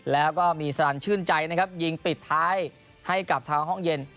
แล้วก็มีสลันชื่นใจนะครับยิงปิดท้ายให้กับทางห้องเย็น